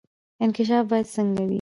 انکشاف باید څنګه وي؟